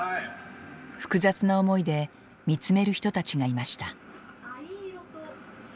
複雑な思いで見つめる人たちがいました。